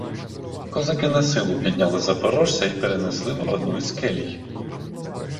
Козаки насилу підняли запорожця й перенесли в одну з келій.